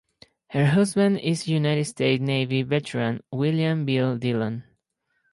Her husband is United States Navy veteran William "Bill" Dillon.